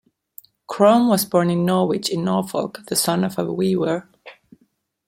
Crome was born in Norwich in Norfolk, the son of a weaver.